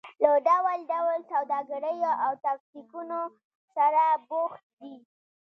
له ډول ډول سوداګریو او تاکتیکونو سره بوخت دي.